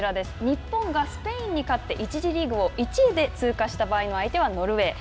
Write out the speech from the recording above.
日本がスペインに勝って１次リーグを１位で通過した場合の相手はノルウェー。